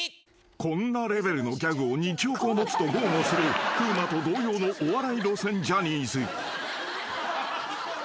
［こんなレベルのギャグを２兆個持つと豪語する風磨と同様のお笑い路線ジャニーズ］